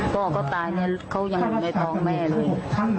พ่อก็ตายเขายังอยู่ในทองแม่เลย